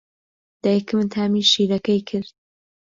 دایکم تامی شیرەکەی کرد.